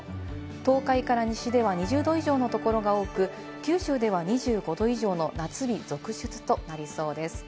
東海から西では２０度以上の所が多く、九州では２５度以上の夏日続出となりそうです。